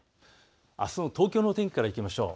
あすの東京の天気からいきましょう。